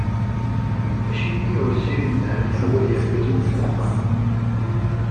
Acimi ur ssiriden ara leḥwal yergazen deg wexxam?